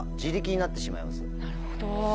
なるほど。